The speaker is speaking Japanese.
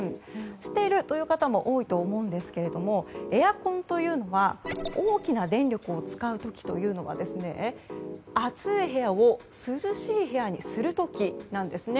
知っているという方も多いと思うんですけどエアコンというのは大きな電力を使う時というのは暑い部屋を涼しい部屋にする時なんですね。